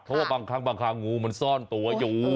เพราะบางครั้งงูมันซ่อนตัวอยู่